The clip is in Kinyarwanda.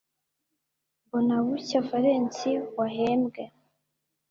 Mbonabucya Valens wahembwe